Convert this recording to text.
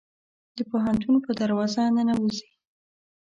د پوهنتون په دروازه ننوزي